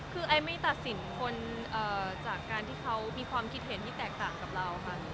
คือไอไม่ตัดสินคนจากการที่เขามีความคิดเห็นที่แตกต่างกับเราค่ะ